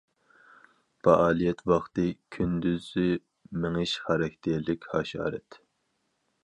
پائالىيەت ۋاقتى: كۈندۈزى مېڭىش خاراكتېرلىك ھاشارات.